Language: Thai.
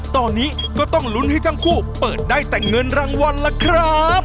ตอนนี้ก็ต้องลุ้นให้ทั้งคู่เปิดได้แต่เงินรางวัลล่ะครับ